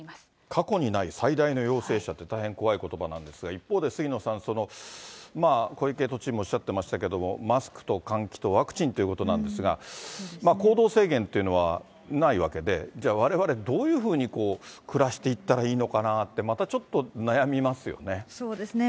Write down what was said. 過去にない最大の陽性者って、大変怖いことばなんですが、一方で杉野さん、小池都知事もおっしゃってましたけれども、マスクと換気とワクチンということなんですが、行動制限というのはないわけで、じゃあ、われわれ、どういうふうに暮らしていったらいいのかなって、またちょっと悩そうですね。